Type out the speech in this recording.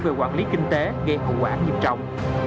về quản lý kinh tế gây hậu quả nghiêm trọng